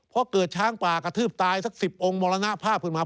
เพราะเกิดช้างป่ากระทืบตายสัก๑๐องค์มรณภาพขึ้นมา